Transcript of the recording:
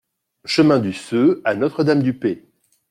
Chemin du Ceux à Notre-Dame-du-Pé